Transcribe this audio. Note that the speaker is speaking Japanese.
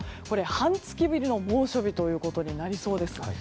半月ぶりの猛暑日ということになりそうです。